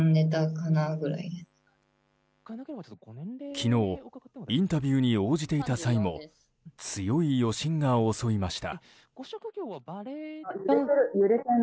昨日、インタビューに応じていた際も強い余震が襲いました。